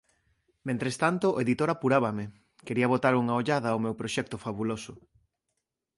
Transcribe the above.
Mentres tanto, o editor apurábame, quería botar unha ollada ó meu proxecto fabuloso.